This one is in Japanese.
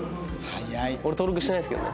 俺登録してないんですけどね。